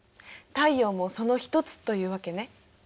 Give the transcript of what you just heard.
太陽もその一つというわけね。